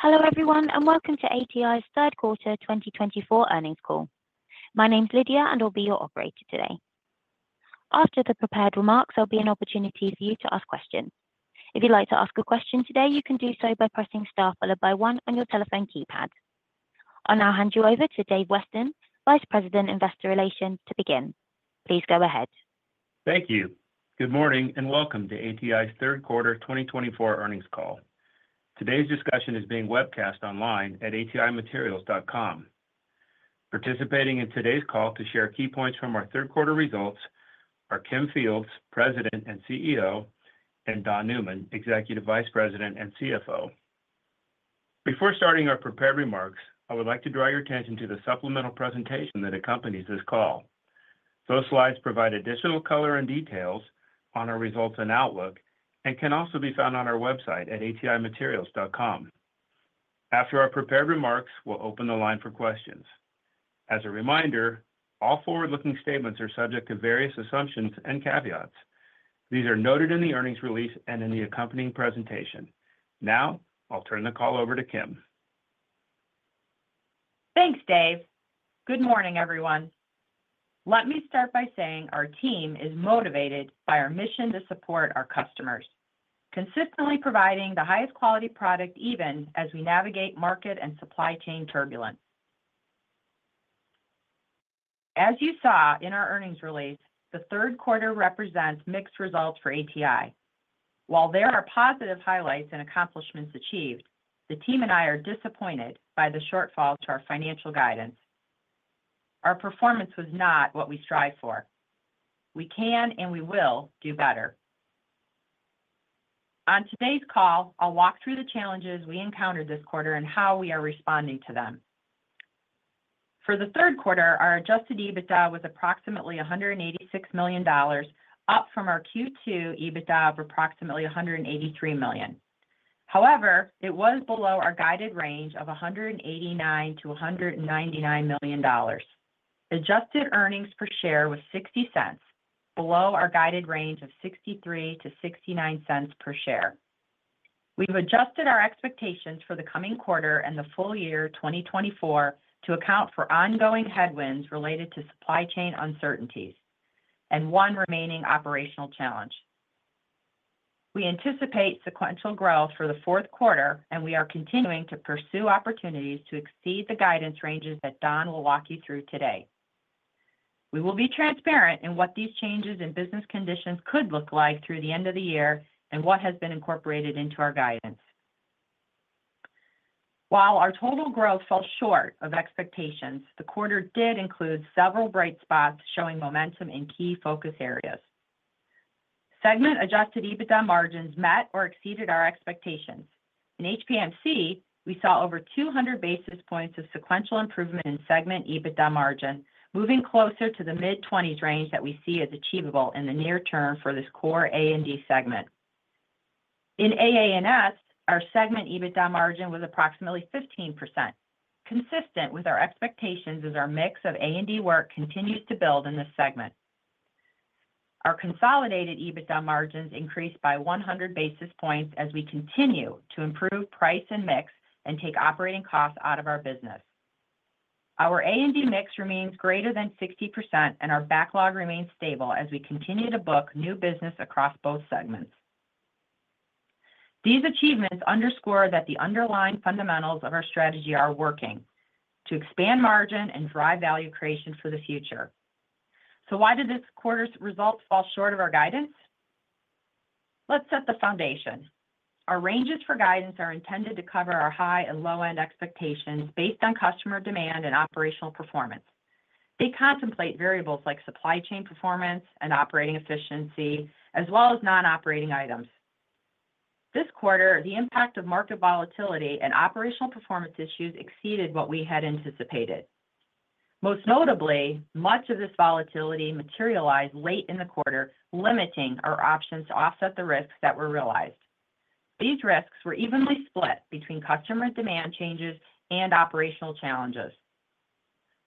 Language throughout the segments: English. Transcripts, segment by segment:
Hello everyone and welcome to ATI's Third Quarter 2024 Earnings Call. My name's Lydia and I'll be your operator today. After the prepared remarks, there'll be an opportunity for you to ask questions. If you'd like to ask a question today, you can do so by pressing Star followed by one on your telephone keypad. I'll now hand you over to Dave Weston, Vice President Investor Relations, to begin. Please go ahead. Thank you. Good morning and welcome to ATI's third quarter 2024 earnings call. Today's discussion is being webcast online at atimaterials.com. Participating in today's call to share key points from our third quarter results are Kim Fields, President and CEO, and Don Newman, Executive Vice President and CFO. Before starting our prepared remarks, I would like to draw your attention to the supplemental presentation that accompanies this call. Those slides provide additional color and details on our results and outlook and can also be found on our website at atimaterials.com. After our prepared remarks, we'll open the line for questions. As a reminder, all forward-looking statements are subject to various assumptions and caveats. These are noted in the earnings release and in the accompanying presentation. Now, I'll turn the call over to Kim. Thanks, Dave. Good morning, everyone. Let me start by saying our team is motivated by our mission to support our customers, consistently providing the highest quality product even as we navigate market and supply chain turbulence. As you saw in our earnings release, the third quarter represents mixed results for ATI. While there are positive highlights and accomplishments achieved, the team and I are disappointed by the shortfalls to our financial guidance. Our performance was not what we strive for. We can and we will do better. On today's call, I'll walk through the challenges we encountered this quarter and how we are responding to them. For the third quarter, our adjusted EBITDA was approximately $186 million, up from our Q2 EBITDA of approximately $183 million. However, it was below our guided range of $189 million to $199 million. Adjusted earnings per share was $0.60, below our guided range of $0.63-$0.69 per share. We've adjusted our expectations for the coming quarter and the full year 2024 to account for ongoing headwinds related to supply chain uncertainties and one remaining operational challenge. We anticipate sequential growth for the fourth quarter, and we are continuing to pursue opportunities to exceed the guidance ranges that Don will walk you through today. We will be transparent in what these changes in business conditions could look like through the end of the year and what has been incorporated into our guidance. While our total growth fell short of expectations, the quarter did include several bright spots showing momentum in key focus areas. Segment-adjusted EBITDA margins met or exceeded our expectations. In HPMC, we saw over 200 basis points of sequential improvement in segment EBITDA margin, moving closer to the mid-20s range that we see as achievable in the near term for this core A&D segment. In AA&S, our segment EBITDA margin was approximately 15%, consistent with our expectations as our mix of A&D work continues to build in this segment. Our consolidated EBITDA margins increased by 100 basis points as we continue to improve price and mix and take operating costs out of our business. Our A&D mix remains greater than 60%, and our backlog remains stable as we continue to book new business across both segments. These achievements underscore that the underlying fundamentals of our strategy are working to expand margin and drive value creation for the future. So why did this quarter's results fall short of our guidance? Let's set the foundation. Our ranges for guidance are intended to cover our high and low-end expectations based on customer demand and operational performance. They contemplate variables like supply chain performance and operating efficiency, as well as non-operating items. This quarter, the impact of market volatility and operational performance issues exceeded what we had anticipated. Most notably, much of this volatility materialized late in the quarter, limiting our options to offset the risks that were realized. These risks were evenly split between customer demand changes and operational challenges.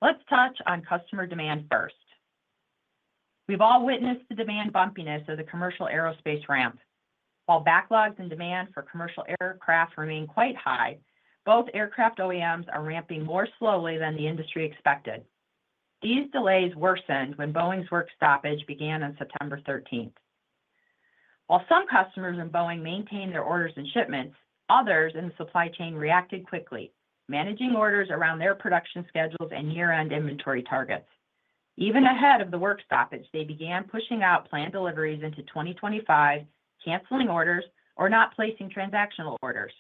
Let's touch on customer demand first. We've all witnessed the demand bumpiness of the commercial aerospace ramp. While backlogs and demand for commercial aircraft remain quite high, both aircraft OEMs are ramping more slowly than the industry expected. These delays worsened when Boeing's work stoppage began on September 13th. While some customers in Boeing maintained their orders and shipments, others in the supply chain reacted quickly, managing orders around their production schedules and year-end inventory targets. Even ahead of the work stoppage, they began pushing out planned deliveries into 2025, canceling orders or not placing transactional orders.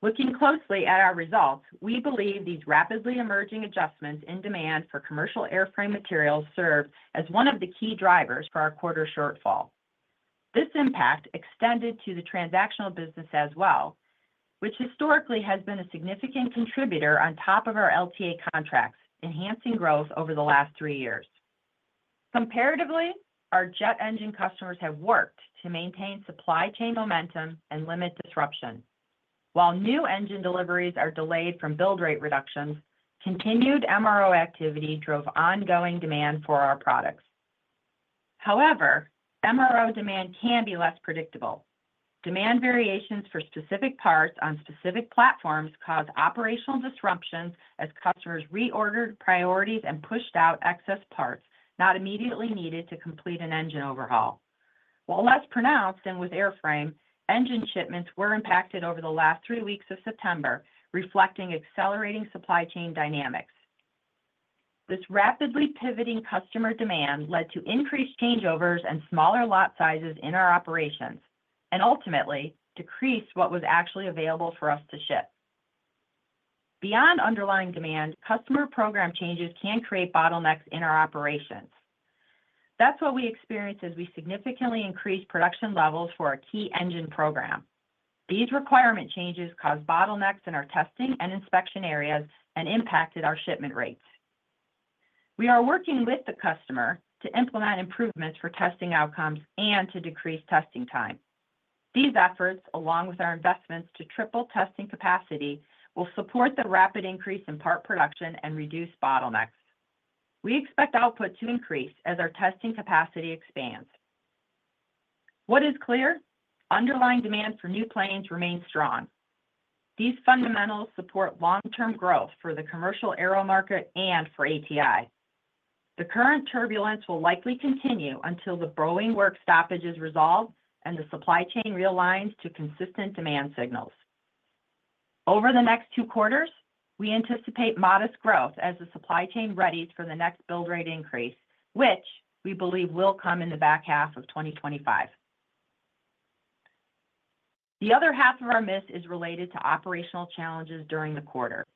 Looking closely at our results, we believe these rapidly emerging adjustments in demand for commercial airframe materials served as one of the key drivers for our quarter shortfall. This impact extended to the transactional business as well, which historically has been a significant contributor on top of our LTA contracts, enhancing growth over the last three years. Comparatively, our jet engine customers have worked to maintain supply chain momentum and limit disruption. While new engine deliveries are delayed from build rate reductions, continued MRO activity drove ongoing demand for our products. However, MRO demand can be less predictable. Demand variations for specific parts on specific platforms cause operational disruptions as customers reordered priorities and pushed out excess parts not immediately needed to complete an engine overhaul. While less pronounced than with airframe, engine shipments were impacted over the last three weeks of September, reflecting accelerating supply chain dynamics. This rapidly pivoting customer demand led to increased changeovers and smaller lot sizes in our operations and ultimately decreased what was actually available for us to ship. Beyond underlying demand, customer program changes can create bottlenecks in our operations. That's what we experienced as we significantly increased production levels for our key engine program. These requirement changes caused bottlenecks in our testing and inspection areas and impacted our shipment rates. We are working with the customer to implement improvements for testing outcomes and to decrease testing time. These efforts, along with our investments to triple testing capacity, will support the rapid increase in part production and reduce bottlenecks. We expect output to increase as our testing capacity expands. What is clear? Underlying demand for new planes remains strong. These fundamentals support long-term growth for the commercial aero market and for ATI. The current turbulence will likely continue until the Boeing work stoppage is resolved and the supply chain realigns to consistent demand signals. Over the next two quarters, we anticipate modest growth as the supply chain readies for the next build rate increase, which we believe will come in the back half of 2025. The other half of our miss is related to operational challenges during the quarter.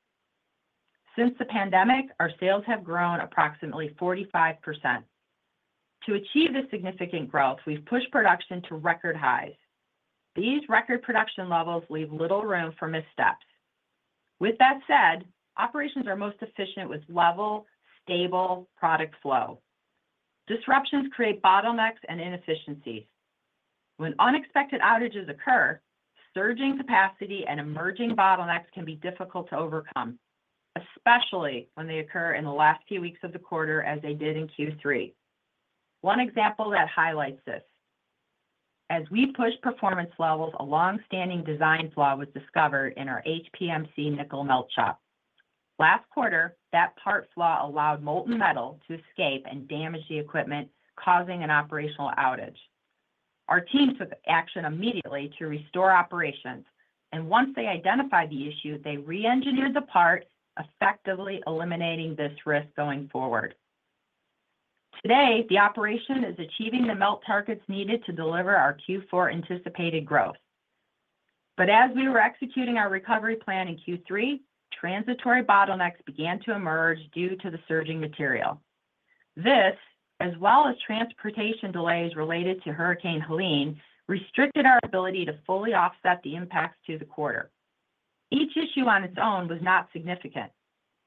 Since the pandemic, our sales have grown approximately 45%. To achieve this significant growth, we've pushed production to record highs. These record production levels leave little room for missteps. With that said, operations are most efficient with level, stable product flow. Disruptions create bottlenecks and inefficiencies. When unexpected outages occur, surging capacity and emerging bottlenecks can be difficult to overcome, especially when they occur in the last few weeks of the quarter as they did in Q3. One example that highlights this: as we pushed performance levels, a long-standing design flaw was discovered in our HPMC nickel melt shop. Last quarter, that part flaw allowed molten metal to escape and damage the equipment, causing an operational outage. Our team took action immediately to restore operations, and once they identified the issue, they re-engineered the part, effectively eliminating this risk going forward. Today, the operation is achieving the melt targets needed to deliver our Q4 anticipated growth. But as we were executing our recovery plan in Q3, transitory bottlenecks began to emerge due to the surging material. This, as well as transportation delays related to Hurricane Helene, restricted our ability to fully offset the impacts to the quarter. Each issue on its own was not significant,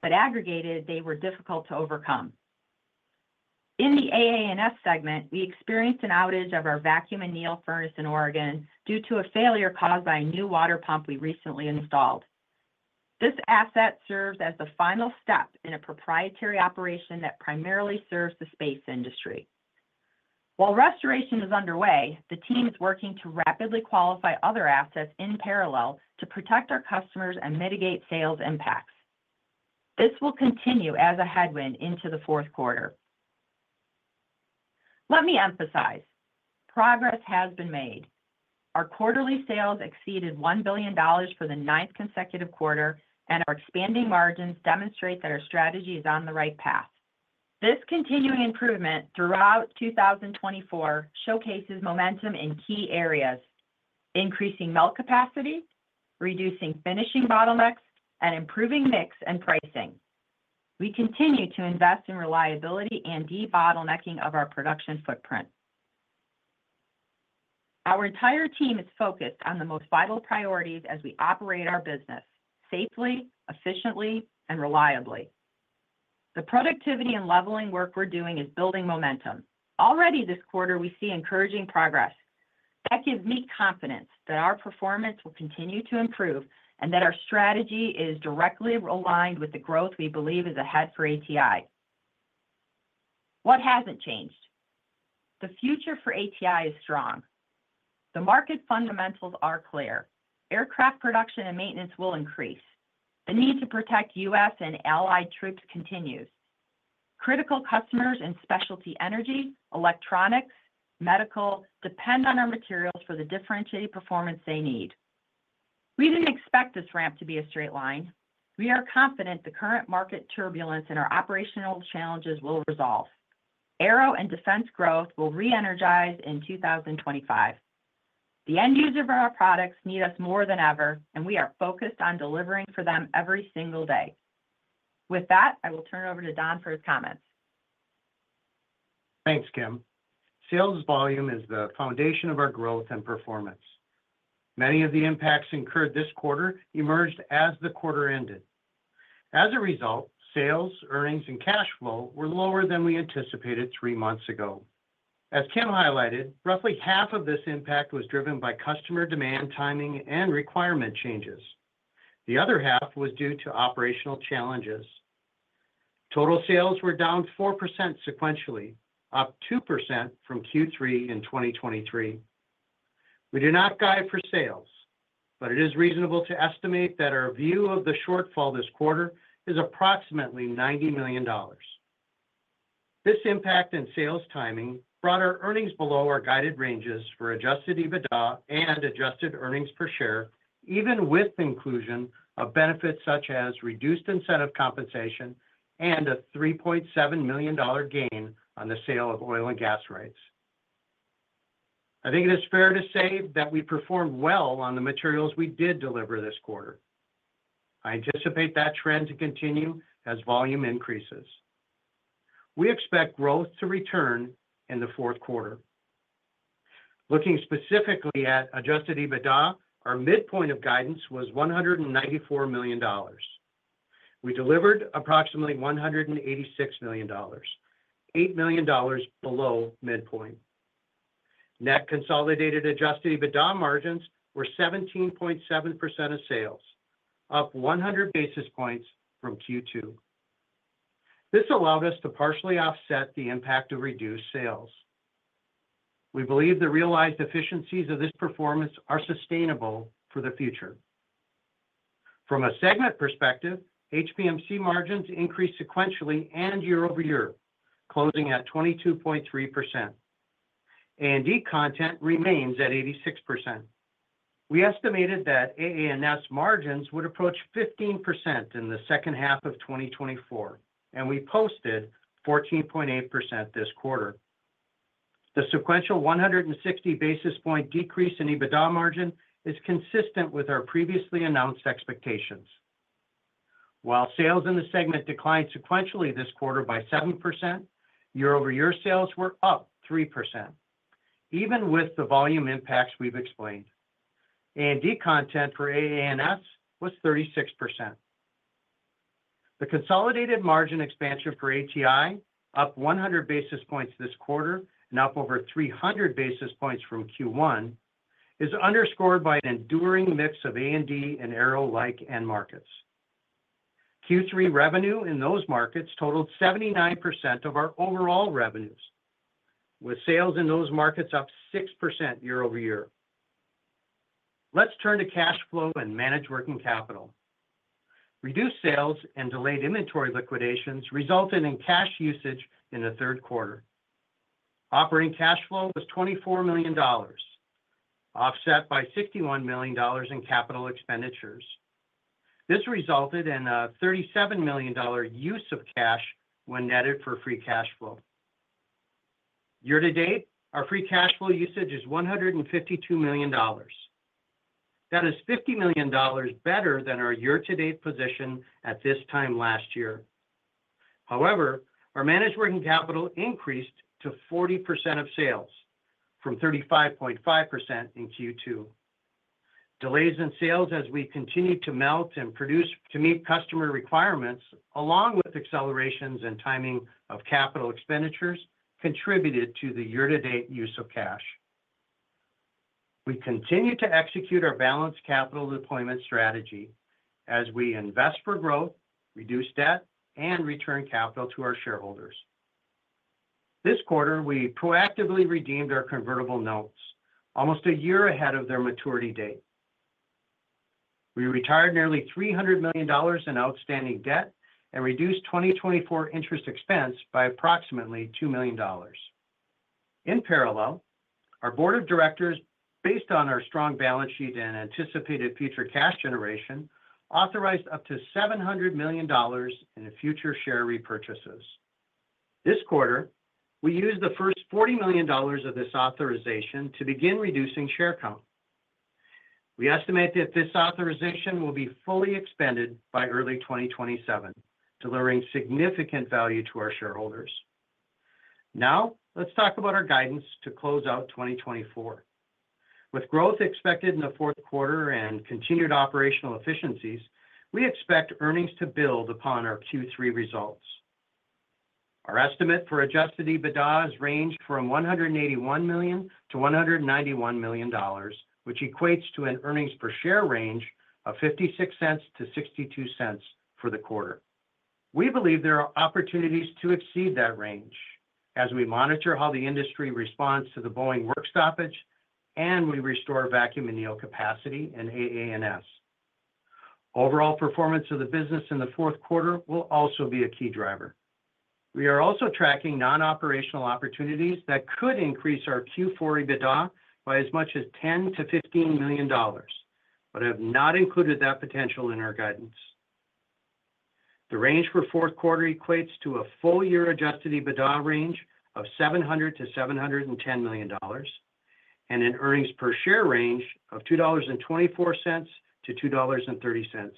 but aggregated, they were difficult to overcome. In the AA&S segment, we experienced an outage of our vacuum anneal furnace in Oregon due to a failure caused by a new water pump we recently installed. This asset serves as the final step in a proprietary operation that primarily serves the space industry. While restoration is underway, the team is working to rapidly qualify other assets in parallel to protect our customers and mitigate sales impacts. This will continue as a headwind into the fourth quarter. Let me emphasize: progress has been made. Our quarterly sales exceeded $1 billion for the ninth consecutive quarter, and our expanding margins demonstrate that our strategy is on the right path. This continuing improvement throughout 2024 showcases momentum in key areas: increasing melt capacity, reducing finishing bottlenecks, and improving mix and pricing. We continue to invest in reliability and de-bottlenecking of our production footprint. Our entire team is focused on the most vital priorities as we operate our business safely, efficiently, and reliably. The productivity and leveling work we're doing is building momentum. Already this quarter, we see encouraging progress. That gives me confidence that our performance will continue to improve and that our strategy is directly aligned with the growth we believe is ahead for ATI. What hasn't changed? The future for ATI is strong. The market fundamentals are clear. Aircraft production and maintenance will increase. The need to protect U.S. and allied troops continues. Critical customers in specialty energy, electronics, and medical depend on our materials for the differentiated performance they need. We didn't expect this ramp to be a straight line. We are confident the current market turbulence and our operational challenges will resolve. Aero and defense growth will re-energize in 2025. The end users of our products need us more than ever, and we are focused on delivering for them every single day. With that, I will turn it over to Don for his comments. Thanks, Kim. Sales volume is the foundation of our growth and performance. Many of the impacts incurred this quarter emerged as the quarter ended. As a result, sales, earnings, and cash flow were lower than we anticipated three months ago. As Kim highlighted, roughly half of this impact was driven by customer demand, timing, and requirement changes. The other half was due to operational challenges. Total sales were down 4% sequentially, up 2% from Q3 in 2023. We do not guide for sales, but it is reasonable to estimate that our view of the shortfall this quarter is approximately $90 million. This impact in sales timing brought our earnings below our guided ranges for adjusted EBITDA and adjusted earnings per share, even with inclusion of benefits such as reduced incentive compensation and a $3.7 million gain on the sale of oil and gas rights. I think it is fair to say that we performed well on the materials we did deliver this quarter. I anticipate that trend to continue as volume increases. We expect growth to return in the fourth quarter. Looking specifically at adjusted EBITDA, our midpoint of guidance was $194 million. We delivered approximately $186 million, $8 million below midpoint. Net consolidated adjusted EBITDA margins were 17.7% of sales, up 100 basis points from Q2. This allowed us to partially offset the impact of reduced sales. We believe the realized efficiencies of this performance are sustainable for the future. From a segment perspective, HPMC margins increased sequentially and year over year, closing at 22.3%. A&D content remains at 86%. We estimated that AA&S margins would approach 15% in the second half of 2024, and we posted 14.8% this quarter. The sequential 160 basis points decrease in EBITDA margin is consistent with our previously announced expectations. While sales in the segment declined sequentially this quarter by 7%, year-over-year sales were up 3%, even with the volume impacts we've explained. A&D content for AA&S was 36%. The consolidated margin expansion for ATI, up 100 basis points this quarter and up over 300 basis points from Q1, is underscored by an enduring mix of A&D and aero-like end markets. Q3 revenue in those markets totaled 79% of our overall revenues, with sales in those markets up 6% year-over-year. Let's turn to cash flow and managed working capital. Reduced sales and delayed inventory liquidations resulted in cash usage in the third quarter. Operating cash flow was $24 million, offset by $61 million in capital expenditures. This resulted in a $37 million use of cash when netted for free cash flow. Year to date, our free cash flow usage is $152 million. That is $50 million better than our year-to-date position at this time last year. However, our managed working capital increased to 40% of sales from 35.5% in Q2. Delays in sales as we continue to melt and produce to meet customer requirements, along with accelerations in timing of capital expenditures, contributed to the year-to-date use of cash. We continue to execute our balanced capital deployment strategy as we invest for growth, reduce debt, and return capital to our shareholders. This quarter, we proactively redeemed our convertible notes, almost a year ahead of their maturity date. We retired nearly $300 million in outstanding debt and reduced 2024 interest expense by approximately $2 million. In parallel, our board of directors, based on our strong balance sheet and anticipated future cash generation, authorized up to $700 million in future share repurchases. This quarter, we used the first $40 million of this authorization to begin reducing share count. We estimate that this authorization will be fully expended by early 2027, delivering significant value to our shareholders. Now, let's talk about our guidance to close out 2024. With growth expected in the fourth quarter and continued operational efficiencies, we expect earnings to build upon our Q3 results. Our estimate for adjusted EBITDA has ranged from $181 million-$191 million, which equates to an earnings per share range of $0.56-$0.62 for the quarter. We believe there are opportunities to exceed that range as we monitor how the industry responds to the Boeing work stoppage and we restore vacuum anneal capacity in AA&S. Overall performance of the business in the fourth quarter will also be a key driver. We are also tracking non-operational opportunities that could increase our Q4 EBITDA by as much as $10 million-$15 million, but have not included that potential in our guidance. The range for fourth quarter equates to a full-year adjusted EBITDA range of $700 million-$710 million and an earnings per share range of $2.24-$2.30.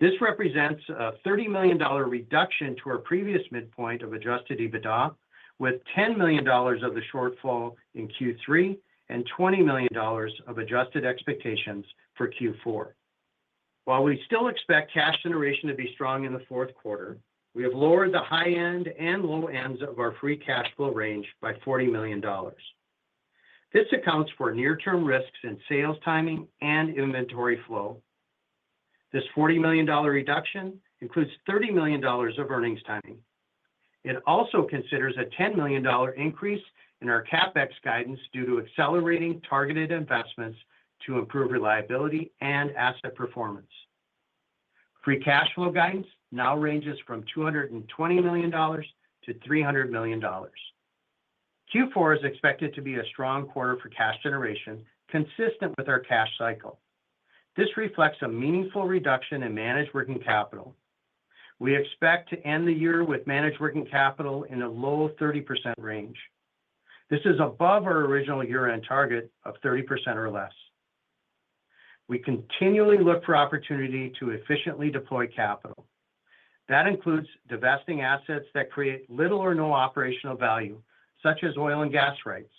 This represents a $30 million reduction to our previous midpoint of adjusted EBITDA, with $10 million of the shortfall in Q3 and $20 million of adjusted expectations for Q4. While we still expect cash generation to be strong in the fourth quarter, we have lowered the high end and low ends of our free cash flow range by $40 million. This accounts for near-term risks in sales timing and inventory flow. This $40 million reduction includes $30 million of earnings timing. It also considers a $10 million increase in our CapEx guidance due to accelerating targeted investments to improve reliability and asset performance. Free cash flow guidance now ranges from $220 million-$300 million. Q4 is expected to be a strong quarter for cash generation, consistent with our cash cycle. This reflects a meaningful reduction in managed working capital. We expect to end the year with managed working capital in a low 30% range. This is above our original year-end target of 30% or less. We continually look for opportunity to efficiently deploy capital. That includes divesting assets that create little or no operational value, such as oil and gas rights.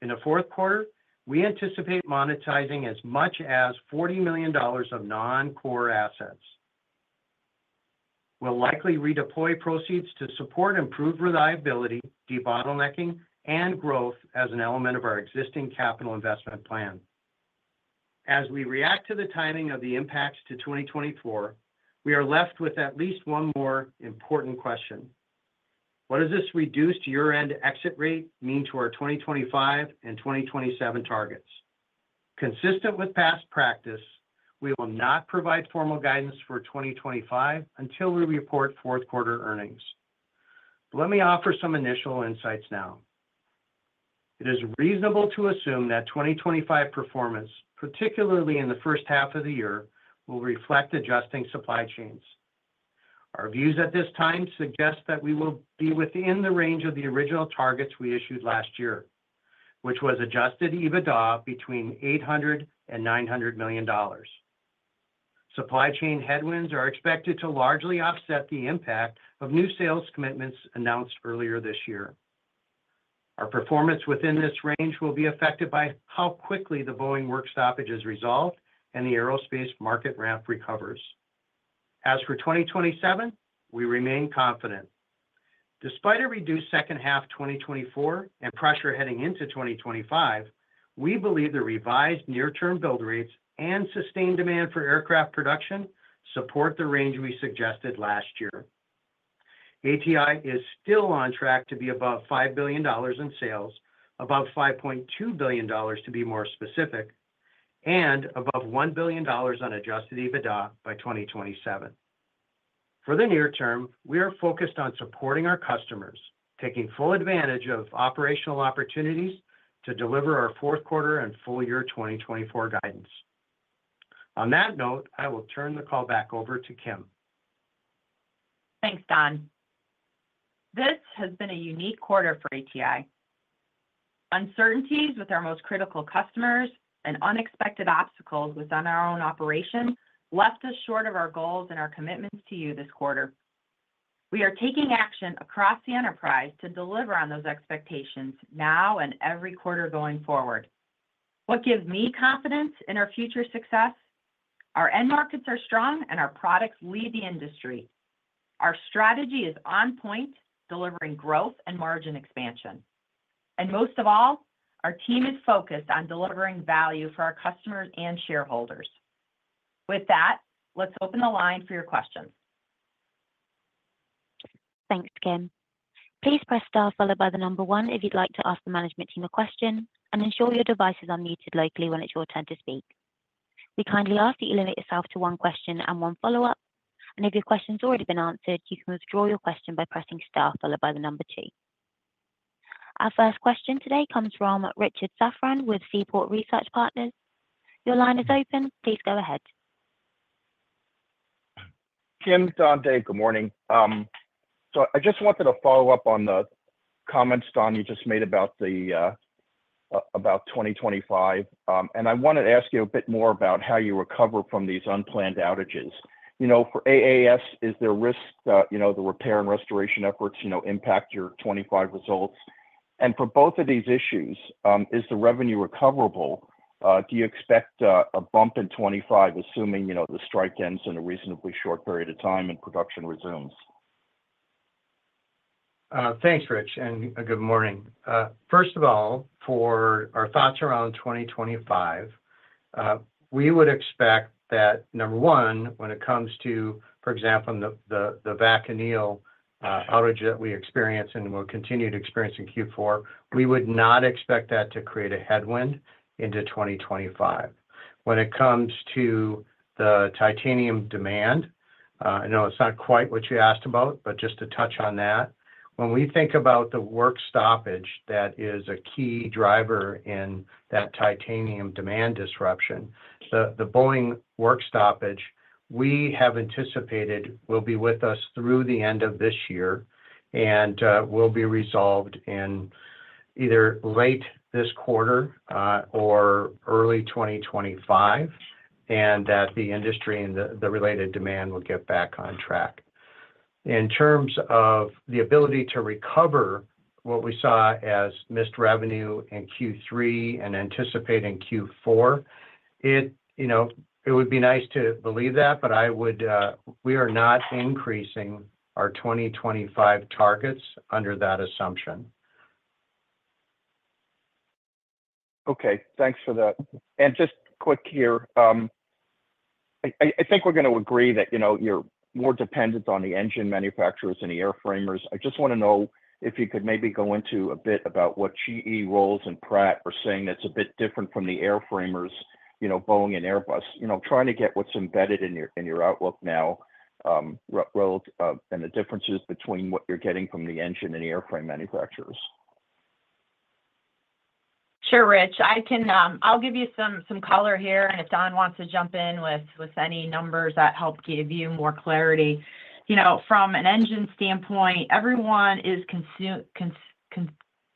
In the fourth quarter, we anticipate monetizing as much as $40 million of non-core assets. We'll likely redeploy proceeds to support improved reliability, de-bottlenecking, and growth as an element of our existing capital investment plan. As we react to the timing of the impacts to 2024, we are left with at least one more important question. What does this reduced year-end exit rate mean to our 2025 and 2027 targets? Consistent with past practice, we will not provide formal guidance for 2025 until we report fourth quarter earnings. Let me offer some initial insights now. It is reasonable to assume that 2025 performance, particularly in the first half of the year, will reflect adjusting supply chains. Our views at this time suggest that we will be within the range of the original targets we issued last year, which was adjusted EBITDA between $800 million-$900 million. Supply chain headwinds are expected to largely offset the impact of new sales commitments announced earlier this year. Our performance within this range will be affected by how quickly the Boeing work stoppage is resolved and the aerospace market ramp recovers. As for 2027, we remain confident. Despite a reduced second half 2024 and pressure heading into 2025, we believe the revised near-term build rates and sustained demand for aircraft production support the range we suggested last year. ATI is still on track to be above $5 billion in sales, above $5.2 billion, to be more specific, and above $1 billion on adjusted EBITDA by 2027. For the near term, we are focused on supporting our customers, taking full advantage of operational opportunities to deliver our fourth quarter and full-year 2024 guidance. On that note, I will turn the call back over to Kim. Thanks, Don. This has been a unique quarter for ATI. Uncertainties with our most critical customers and unexpected obstacles within our own operation left us short of our goals and our commitments to you this quarter. We are taking action across the enterprise to deliver on those expectations now and every quarter going forward. What gives me confidence in our future success? Our end markets are strong, and our products lead the industry. Our strategy is on point, delivering growth and margin expansion. And most of all, our team is focused on delivering value for our customers and shareholders. With that, let's open the line for your questions. Thanks, Kim. Please press Star, followed by the number one if you'd like to ask the management team a question, and ensure your device is unmuted locally when it's your turn to speak. We kindly ask that you limit yourself to one question and one follow-up. And if your question's already been answered, you can withdraw your question by pressing Star, followed by the number two. Our first question today comes from Richard Safran with Seaport Research Partners. Your line is open. Please go ahead. Kim, Don, good morning. So I just wanted to follow up on the comments, Don, you just made about 2025. And I wanted to ask you a bit more about how you recover from these unplanned outages. For AA&S, is there risk the repair and restoration efforts impact your 2025 results? And for both of these issues, is the revenue recoverable? Do you expect a bump in 2025, assuming the strike ends in a reasonably short period of time and production resumes? Thanks, Rich, and good morning. First of all, for our thoughts around 2025, we would expect that, number one, when it comes to, for example, the vacuum anneal outage that we experience and will continue to experience in Q4, we would not expect that to create a headwind into 2025. When it comes to the titanium demand, I know it's not quite what you asked about, but just to touch on that, when we think about the work stoppage that is a key driver in that titanium demand disruption, the Boeing work stoppage, we have anticipated will be with us through the end of this year and will be resolved in either late this quarter or early 2025, and that the industry and the related demand will get back on track. In terms of the ability to recover what we saw as missed revenue in Q3 and anticipate in Q4, it would be nice to believe that, but we are not increasing our 2025 targets under that assumption. Okay. Thanks for that. And just quick here, I think we're going to agree that you're more dependent on the engine manufacturers and the airframers. I just want to know if you could maybe go into a bit about what GE, Rolls, and Pratt are saying that's a bit different from the airframers, Boeing and Airbus, trying to get what's embedded in your outlook now and the differences between what you're getting from the engine and airframe manufacturers. Sure, Rich. I'll give you some color here, and if Don wants to jump in with any numbers that help give you more clarity. From an engine standpoint, everyone is,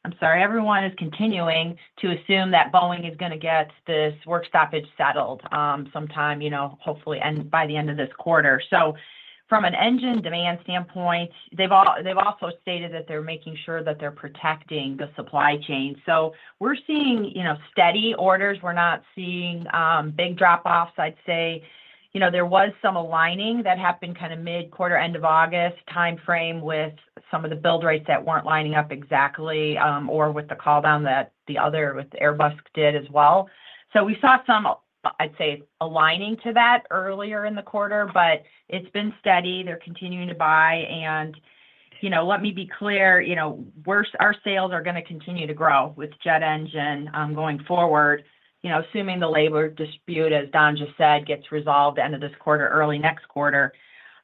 I'm sorry, everyone is continuing to assume that Boeing is going to get this work stoppage settled sometime, hopefully, by the end of this quarter. So from an engine demand standpoint, they've also stated that they're making sure that they're protecting the supply chain. So we're seeing steady orders. We're not seeing big drop-offs, I'd say. There was some aligning that happened kind of mid-quarter, end of August timeframe with some of the build rates that weren't lining up exactly or with the call down that the other with Airbus did as well. So we saw some, I'd say, aligning to that earlier in the quarter, but it's been steady. They're continuing to buy. And let me be clear, our sales are going to continue to grow with jet engine going forward, assuming the labor dispute, as Don just said, gets resolved at the end of this quarter, early next quarter.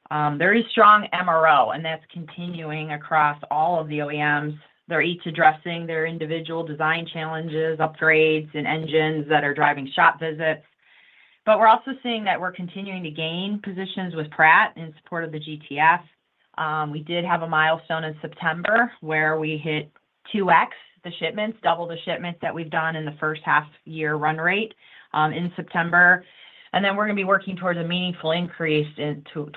There is strong MRO, and that's continuing across all of the OEMs. They're each addressing their individual design challenges, upgrades, and engines that are driving shop visits. But we're also seeing that we're continuing to gain positions with Pratt in support of the GTF. We did have a milestone in September where we hit 2x the shipments, double the shipments that we've done in the first half-year run rate in September. And then we're going to be working towards a meaningful increase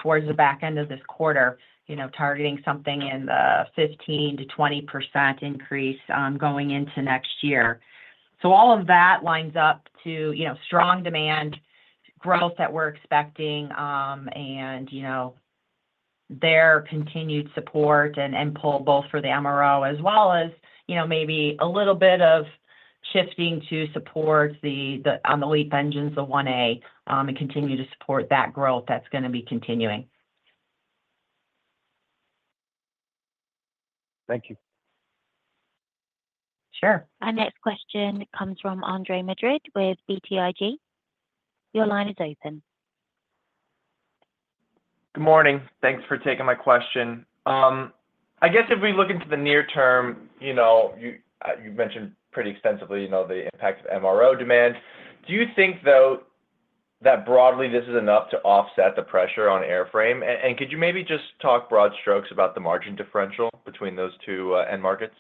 towards the back end of this quarter, targeting something in the 15%-20% increase going into next year. All of that lines up to strong demand, growth that we're expecting, and their continued support and pull both for the MRO as well as maybe a little bit of shifting to support on the LEAP-1A engines, and continue to support that growth that's going to be continuing. Thank you. Sure. Our next question comes from Andre Madrid with BTIG. Your line is open. Good morning. Thanks for taking my question. I guess if we look into the near term, you mentioned pretty extensively the impact of MRO demand. Do you think, though, that broadly this is enough to offset the pressure on airframe? And could you maybe just talk broad strokes about the margin differential between those two end markets?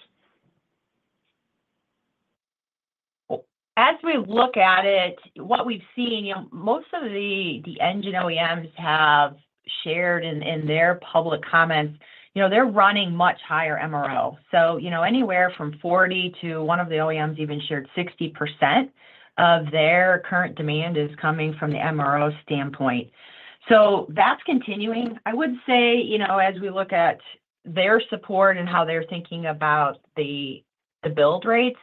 As we look at it, what we've seen, most of the engine OEMs have shared in their public comments, they're running much higher MRO. So anywhere from 40% to one of the OEMs even shared 60% of their current demand is coming from the MRO standpoint. So that's continuing. I would say, as we look at their support and how they're thinking about the build rates,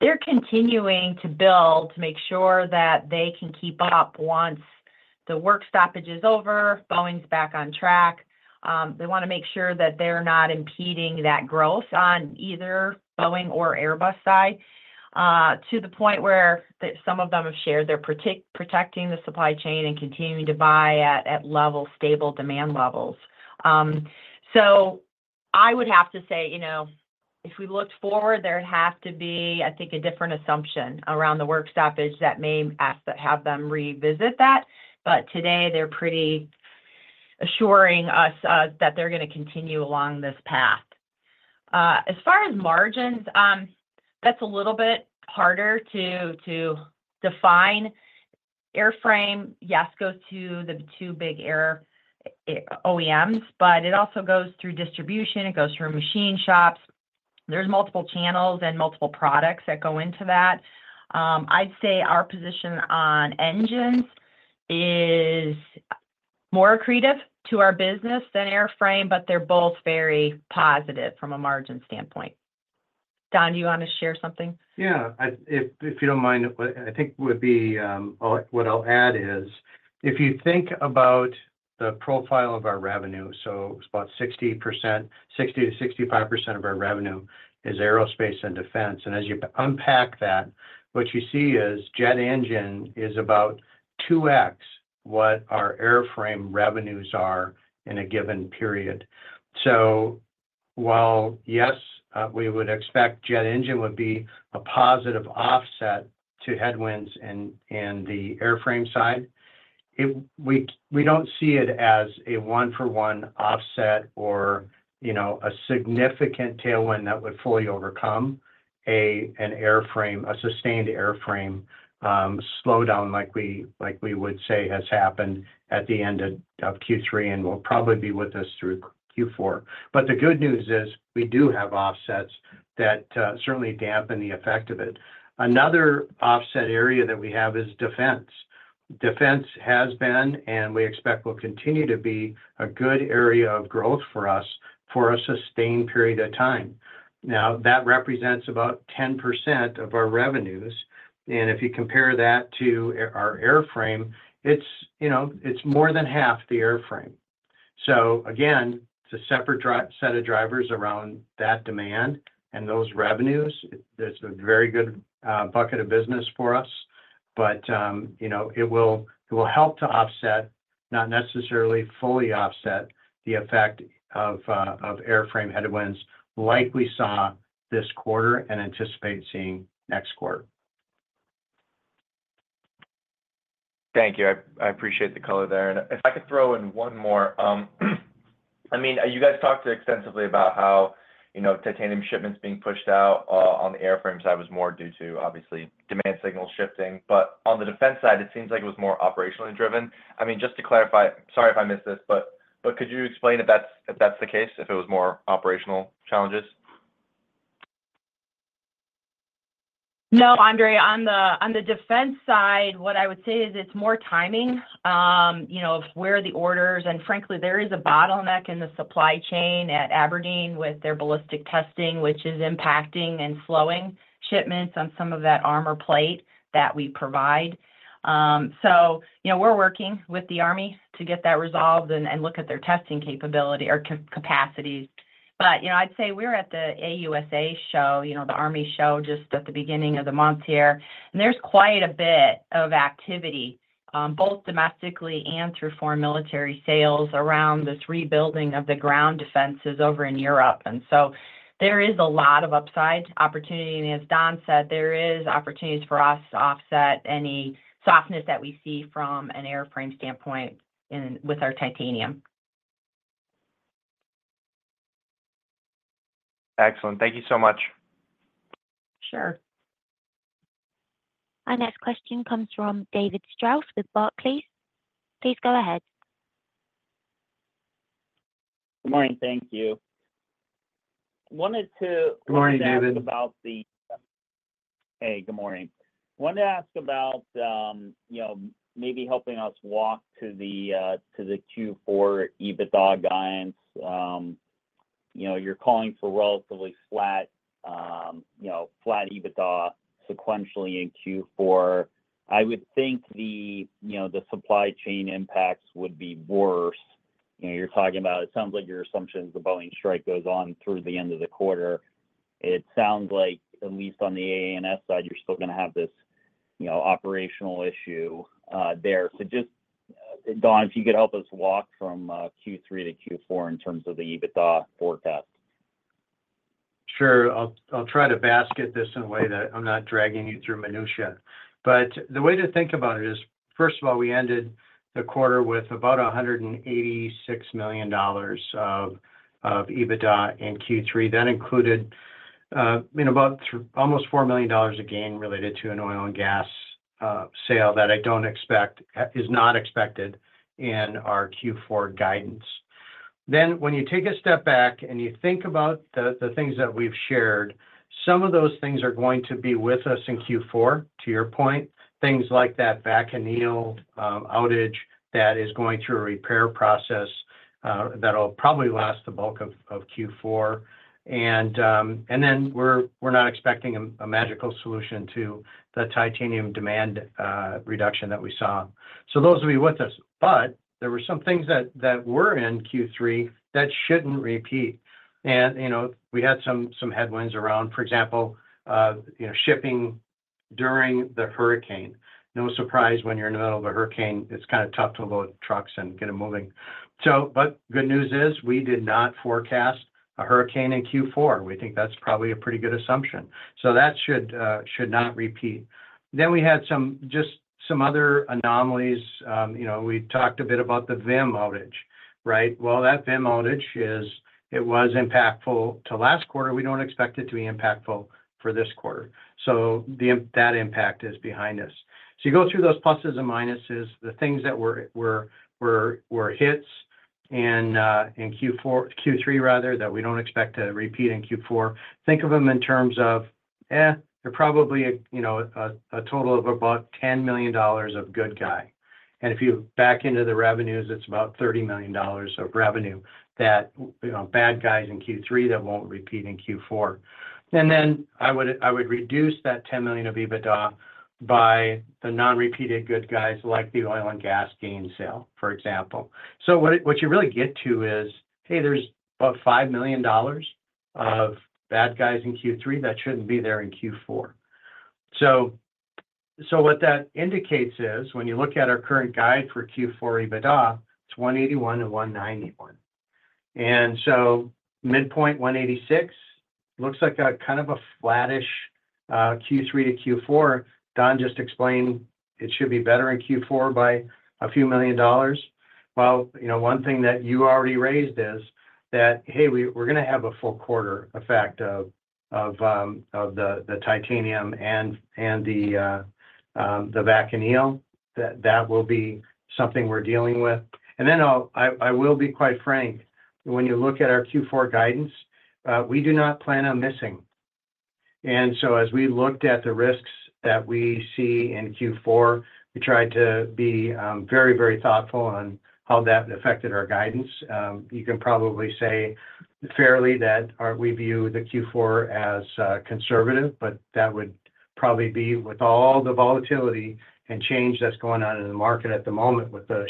they're continuing to build to make sure that they can keep up once the work stoppage is over, Boeing's back on track. They want to make sure that they're not impeding that growth on either Boeing or Airbus side to the point where some of them have shared they're protecting the supply chain and continuing to buy at level stable demand levels. I would have to say, if we looked forward, there'd have to be, I think, a different assumption around the work stoppage that may have them revisit that. But today, they're pretty assuring us that they're going to continue along this path. As far as margins, that's a little bit harder to define. Airframe, yes, goes to the two big air OEMs, but it also goes through distribution. It goes through machine shops. There's multiple channels and multiple products that go into that. I'd say our position on engines is more accretive to our business than airframe, but they're both very positive from a margin standpoint. Don, do you want to share something? Yeah. If you don't mind, I think what I'll add is, if you think about the profile of our revenue, so it's about 60%-65% of our revenue is aerospace and defense. And as you unpack that, what you see is jet engine is about 2x what our airframe revenues are in a given period. So while, yes, we would expect jet engine would be a positive offset to headwinds in the airframe side, we don't see it as a one-for-one offset or a significant tailwind that would fully overcome an airframe, a sustained airframe slowdown like we would say has happened at the end of Q3 and will probably be with us through Q4. But the good news is we do have offsets that certainly dampen the effect of it. Another offset area that we have is defense. Defense has been and we expect will continue to be a good area of growth for us for a sustained period of time. Now, that represents about 10% of our revenues, and if you compare that to our airframe, it's more than half the airframe, so again, it's a separate set of drivers around that demand and those revenues. It's a very good bucket of business for us, but it will help to offset, not necessarily fully offset, the effect of airframe headwinds like we saw this quarter and anticipate seeing next quarter. Thank you. I appreciate the color there. And if I could throw in one more. I mean, you guys talked extensively about how titanium shipments being pushed out on the airframe side was more due to, obviously, demand signals shifting. But on the defense side, it seems like it was more operationally driven. I mean, just to clarify, sorry if I missed this, but could you explain if that's the case, if it was more operational challenges? No, Andre. On the defense side, what I would say is it's more timing of where the orders and frankly, there is a bottleneck in the supply chain at Aberdeen with their ballistic testing, which is impacting and slowing shipments on some of that armor plate that we provide. So we're working with the Army to get that resolved and look at their testing capability or capacities. But I'd say we're at the AUSA show, the Army show just at the beginning of the month here. And there's quite a bit of activity, both domestically and through foreign military sales around this rebuilding of the ground defenses over in Europe. And so there is a lot of upside opportunity. And as Don said, there is opportunities for us to offset any softness that we see from an airframe standpoint with our titanium. Excellent. Thank you so much. Sure. Our next question comes from David Strauss with Barclays. Please go ahead. Good morning. Thank you. Wanted to ask about the-- Good morning, David. Hey, good morning. Wanted to ask about maybe helping us walk to the Q4 EBITDA guidance. You're calling for relatively flat EBITDA sequentially in Q4. I would think the supply chain impacts would be worse. You're talking about it sounds like your assumption is the Boeing strike goes on through the end of the quarter. It sounds like, at least on the AA&S side, you're still going to have this operational issue there. So just, Don, if you could help us walk from Q3 to Q4 in terms of the EBITDA forecast. Sure. I'll try to basket this in a way that I'm not dragging you through minutia. But the way to think about it is, first of all, we ended the quarter with about $186 million of EBITDA in Q3. That included almost $4 million of gain related to an oil and gas sale that I don't expect is not expected in our Q4 guidance. Then when you take a step back and you think about the things that we've shared, some of those things are going to be with us in Q4, to your point, things like that vacuum anneal outage that is going through a repair process that'll probably last the bulk of Q4. And then we're not expecting a magical solution to the titanium demand reduction that we saw. So those will be with us. But there were some things that were in Q3 that shouldn't repeat. We had some headwinds around, for example, shipping during the hurricane. No surprise when you're in the middle of a hurricane, it's kind of tough to load trucks and get them moving. But good news is we did not forecast a hurricane in Q4. We think that's probably a pretty good assumption. So that should not repeat. Then we had just some other anomalies. We talked a bit about the VIM outage, right? Well, that VIM outage, it was impactful to last quarter. We don't expect it to be impactful for this quarter. So that impact is behind us. So you go through those pluses and minuses, the things that were hits in Q3, rather, that we don't expect to repeat in Q4. Think of them in terms of, they're probably a total of about $10 million net good. If you back into the revenues, it's about $30 million of revenue, the bad guys in Q3 that won't repeat in Q4. Then I would reduce that $10 million of EBITDA by the non-repeated good guys like the oil and gas gain sale, for example. What you really get to is, hey, there's about $5 million of bad guys in Q3 that shouldn't be there in Q4. What that indicates is, when you look at our current guide for Q4 EBITDA, it's $181-$191. Midpoint $186 looks like kind of a flattish Q3 to Q4. Don just explained it should be better in Q4 by a few million dollars. One thing that you already raised is that, hey, we're going to have a full quarter effect of the titanium and the back and yield. That will be something we're dealing with. And then I will be quite frank. When you look at our Q4 guidance, we do not plan on missing. And so as we looked at the risks that we see in Q4, we tried to be very, very thoughtful on how that affected our guidance. You can probably say fairly that we view the Q4 as conservative, but that would probably be with all the volatility and change that's going on in the market at the moment with the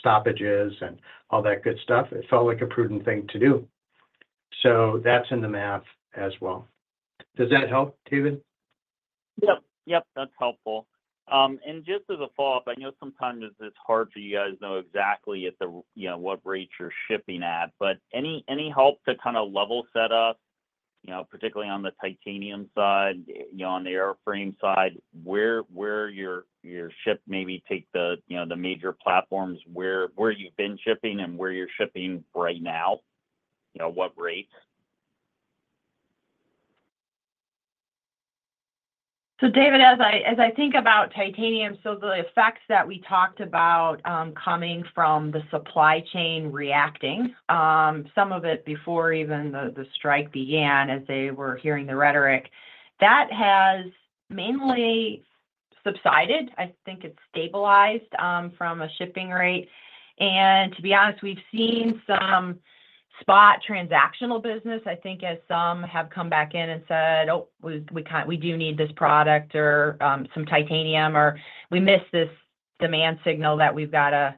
stoppages and all that good stuff, it felt like a prudent thing to do. So that's in the math as well. Does that help, David? Yep. That's helpful. And just as a follow-up, I know sometimes it's hard for you guys to know exactly what rates you're shipping at. But any help to kind of level set us, particularly on the titanium side, on the airframe side, where your ship rate may be to the major platforms, where you've been shipping and where you're shipping right now, what rates? David, as I think about titanium, the effects that we talked about coming from the supply chain reacting, some of it before even the strike began as they were hearing the rhetoric, that has mainly subsided. I think it's stabilized from a shipping rate. And to be honest, we've seen some spot transactional business, I think, as some have come back in and said, "Oh, we do need this product or some titanium," or, "We missed this demand signal that we've got to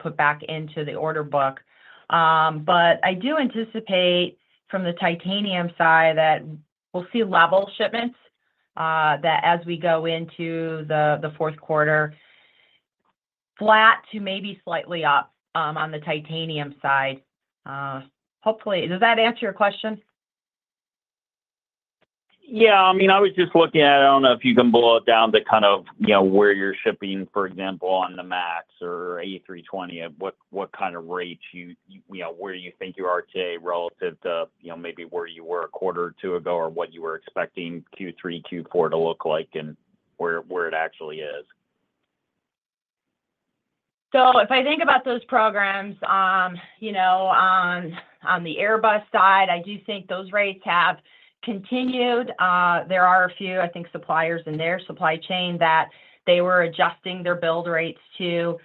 put back into the order book." But I do anticipate from the titanium side that we'll see level shipments that as we go into the fourth quarter, flat to maybe slightly up on the titanium side. Hopefully, does that answer your question? Yeah. I mean, I was just looking at it. I don't know if you can boil it down to kind of where you're shipping, for example, on the MAX or A320, what kind of rates you think you are today relative to maybe where you were a quarter or two ago or what you were expecting Q3, Q4 to look like and where it actually is. So if I think about those programs on the Airbus side, I do think those rates have continued. There are a few, I think, suppliers in their supply chain that they were adjusting their build rates to.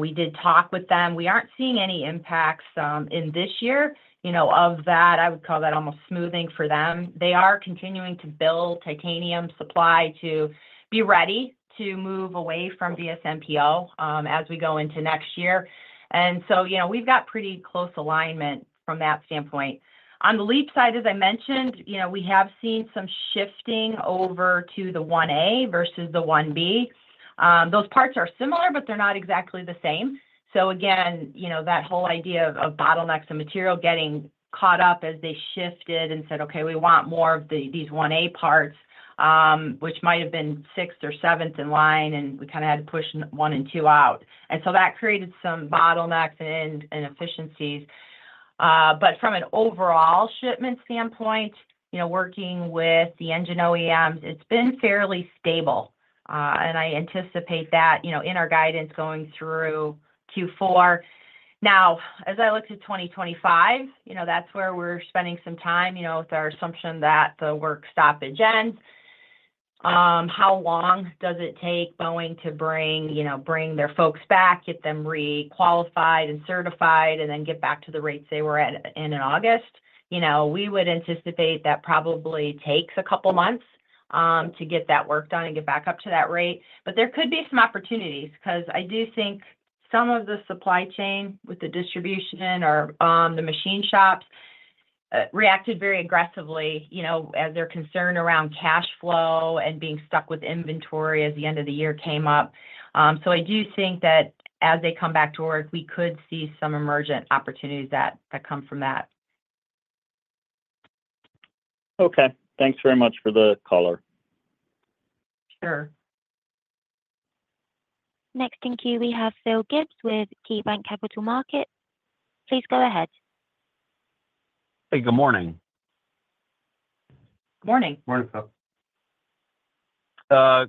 We did talk with them. We aren't seeing any impacts in this year of that. I would call that almost smoothing for them. They are continuing to build titanium supply to be ready to move away from VSMPO as we go into next year. And so we've got pretty close alignment from that standpoint. On the LEAP side, as I mentioned, we have seen some shifting over to the 1A versus the 1B. Those parts are similar, but they're not exactly the same. So again, that whole idea of bottlenecks and material getting caught up as they shifted and said, "Okay, we want more of these 1A parts," which might have been sixth or seventh in line, and we kind of had to push one and two out. And so that created some bottlenecks and inefficiencies. But from an overall shipment standpoint, working with the engine OEMs, it's been fairly stable. And I anticipate that in our guidance going through Q4. Now, as I look to 2025, that's where we're spending some time with our assumption that the work stoppage at jen]. How long does it take Boeing to bring their folks back, get them requalified and certified, and then get back to the rates they were at in August? We would anticipate that probably takes a couple of months to get that worked on and get back up to that rate. But there could be some opportunities because I do think some of the supply chain with the distribution or the machine shops reacted very aggressively as their concern around cash flow and being stuck with inventory as the end of the year came up. So I do think that as they come back to work, we could see some emergent opportunities that come from that. Okay. Thanks very much for the color. Sure. Next, thank you. We have Phil Gibbs with KeyBanc Capital Markets. Please go ahead. Hey, good morning. Good morning. Good morning, Phil.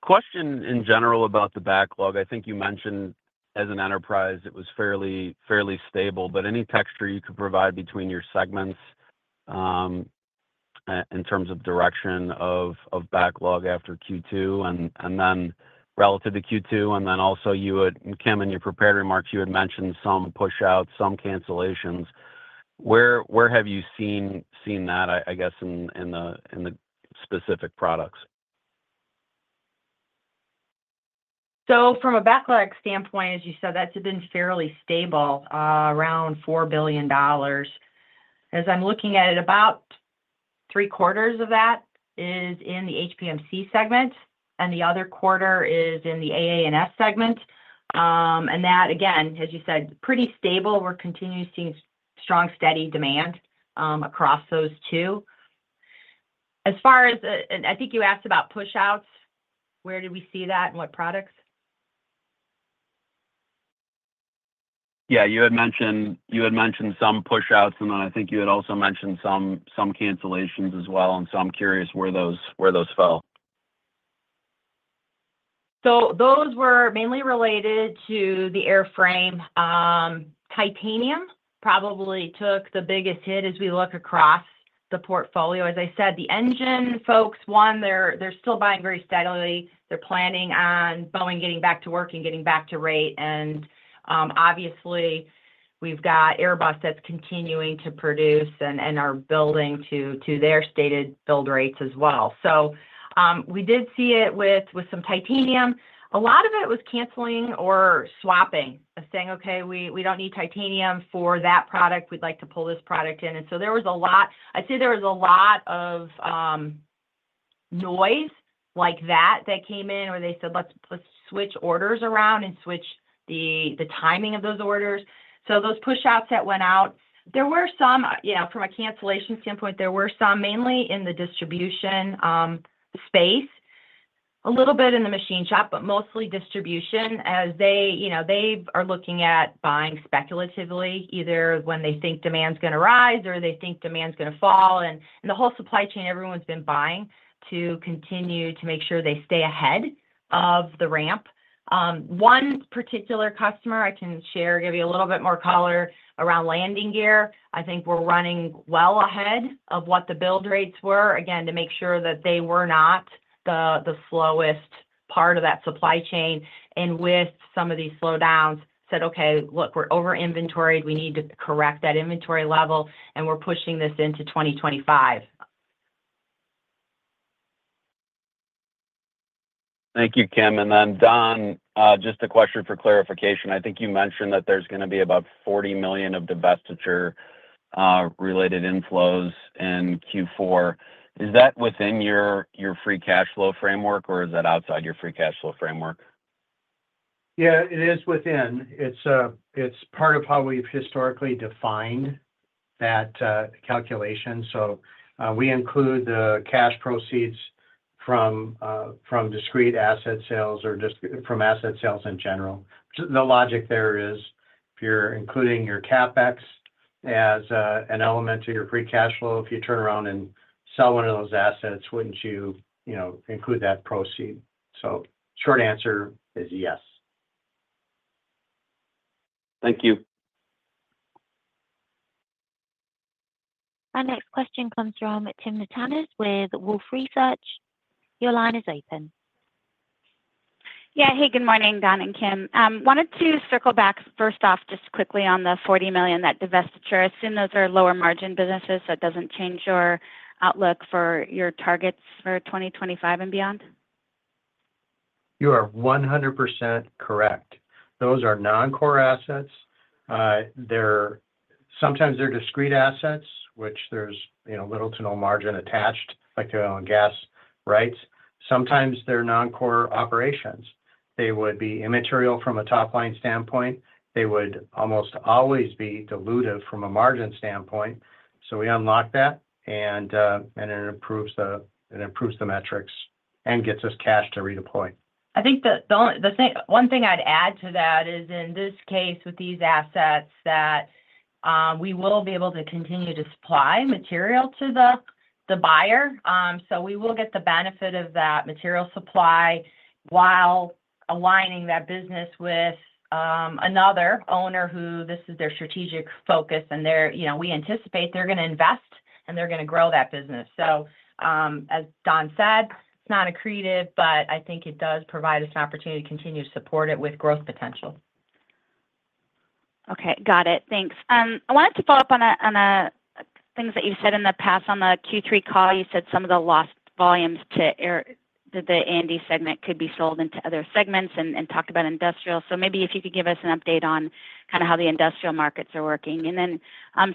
Question in general about the backlog. I think you mentioned as an enterprise, it was fairly stable. But any texture you could provide between your segments in terms of direction of backlog after Q2 and then relative to Q2? And then also, Kim, in your prepared remarks, you had mentioned some push-outs, some cancellations. Where have you seen that, I guess, in the specific products? From a backlog standpoint, as you said, that's been fairly stable, around $4 billion. As I'm looking at it, about three-quarters of that is in the HPMC segment, and the other quarter is in the AA&S segment. That, again, as you said, is pretty stable. We're continuing to see strong, steady demand across those two. As far as I think you asked about push-outs, where did we see that and what products? Yeah. You had mentioned some push-outs, and then I think you had also mentioned some cancellations as well. And so I'm curious where those fell. So those were mainly related to the airframe. Titanium probably took the biggest hit as we look across the portfolio. As I said, the engine folks, one, they're still buying very steadily. They're planning on Boeing getting back to work and getting back to rate. And obviously, we've got Airbus that's continuing to produce and are building to their stated build rates as well. So we did see it with some titanium. A lot of it was canceling or swapping, saying, "Okay, we don't need titanium for that product. We'd like to pull this product in." And so there was a lot I'd say of noise like that that came in where they said, "Let's switch orders around and switch the timing of those orders." So those push-outs that went out, there were some from a cancellation standpoint, there were some mainly in the distribution space, a little bit in the machine shop, but mostly distribution. As they are looking at buying speculatively, either when they think demand's going to rise or they think demand's going to fall. And the whole supply chain, everyone's been buying to continue to make sure they stay ahead of the ramp. One particular customer I can share, give you a little bit more color around landing gear. I think we're running well ahead of what the build rates were, again, to make sure that they were not the slowest part of that supply chain. And with some of these slowdowns, said, "Okay, look, we're over-inventoried. We need to correct that inventory level, and we're pushing this into 2025. Thank you, Kim. And then, Don, just a question for clarification. I think you mentioned that there's going to be about $40 million of divestiture-related inflows in Q4. Is that within your free cash flow framework, or is that outside your free cash flow framework? Yeah, it is within. It's part of how we've historically defined that calculation. So we include the cash proceeds from discrete asset sales or from asset sales in general. The logic there is if you're including your CapEx as an element to your free cash flow, if you turn around and sell one of those assets, wouldn't you include that proceeds? So short answer is yes. Thank you. Our next question comes from Timna Tanners with Wolfe Research. Your line is open. Yeah. Hey, good morning, Don and Kim. Wanted to circle back first off just quickly on the $40 million, that divestiture. Assume those are lower-margin businesses. That doesn't change your outlook for your targets for 2025 and beyond. You are 100% correct. Those are non-core assets. Sometimes they're discrete assets, which there's little to no margin attached, like oil and gas rights. Sometimes they're non-core operations. They would be immaterial from a top-line standpoint. They would almost always be dilutive from a margin standpoint. So we unlock that, and it improves the metrics and gets us cash to redeploy. I think the one thing I'd add to that is, in this case, with these assets, that we will be able to continue to supply material to the buyer. So we will get the benefit of that material supply while aligning that business with another owner who this is their strategic focus. And we anticipate they're going to invest, and they're going to grow that business. So as Don said, it's not accretive, but I think it does provide us an opportunity to continue to support it with growth potential. Okay. Got it. Thanks. I wanted to follow up on things that you said in the past. On the Q3 call, you said some of the lost volumes to the A&D segment could be sold into other segments and talked about industrial. So maybe if you could give us an update on kind of how the industrial markets are working. And then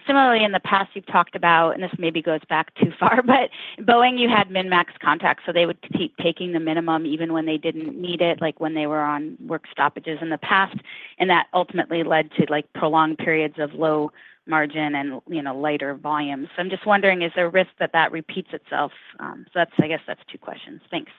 similarly, in the past, you've talked about, and this maybe goes back too far, but Boeing, you had min-max contracts, so they would keep taking the minimum even when they didn't need it, like when they were on work stoppages in the past. And that ultimately led to prolonged periods of low margin and lighter volumes. So I'm just wondering, is there a risk that that repeats itself? So I guess that's two questions. Thanks.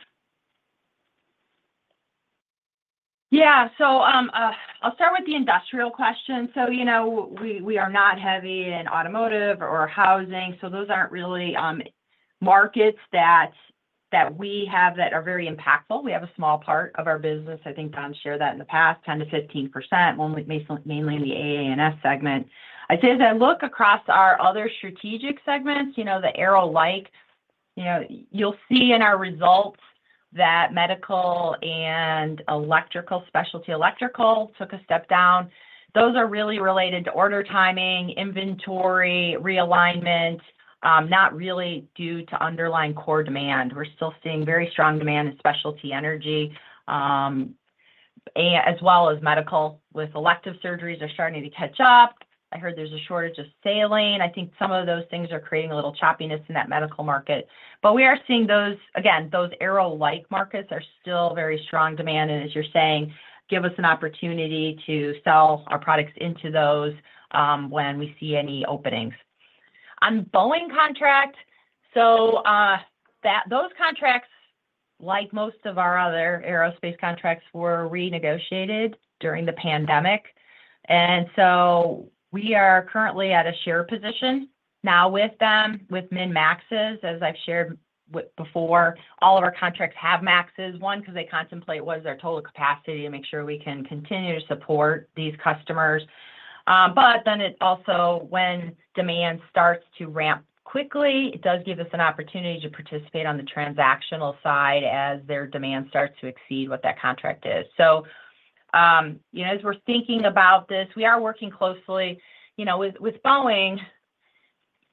Yeah. I'll start with the industrial question. So we are not heavy in automotive or housing. So those aren't really markets that we have that are very impactful. We have a small part of our business. I think Don shared that in the past, 10%-15%, mainly in the AA&S segment. I'd say as I look across our other strategic segments, the aero-like, you'll see in our results that medical and electrical, specialty electrical took a step down. Those are really related to order timing, inventory, realignment, not really due to underlying core demand. We're still seeing very strong demand in specialty energy as well as medical, with elective surgeries are starting to catch up. I heard there's a shortage of saline. I think some of those things are creating a little choppiness in that medical market. But we are seeing, again, those aero-like markets are still very strong demand. And as you're saying, give us an opportunity to sell our products into those when we see any openings. On Boeing contract, so those contracts, like most of our other aerospace contracts, were renegotiated during the pandemic. And so we are currently at a share position now with them, with min-maxes. As I've shared before, all of our contracts have maxes, one, because they contemplate what is our total capacity to make sure we can continue to support these customers. But then it also, when demand starts to ramp quickly, it does give us an opportunity to participate on the transactional side as their demand starts to exceed what that contract is. So as we're thinking about this, we are working closely with Boeing.